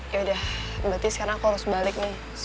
yaudah berarti sekarang aku harus balik nih